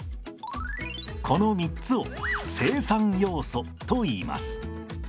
この３つを生産要素といいます。